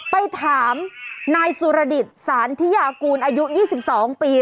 ไปถามนายสุรดิตสารธิยากูลอายุ๒๒ปี